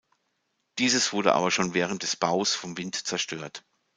Dieses wurde aber schon während des Baus vom Wind zerstört.